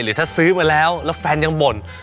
ถ้าซื้อมาแล้วแล้วแฟนยังบ่น